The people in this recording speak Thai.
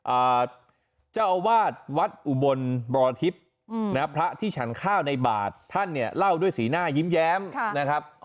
อ่าเจ้าอวาทวัดอุบลบรอชัพน์พระที่ฉันข้าวในบาดท่านเนี่ยเล่าด้วยสีหน้ายิ้มแย้มครับ